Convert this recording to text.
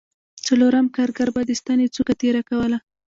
څلورم کارګر به د ستنې څوکه تېره کوله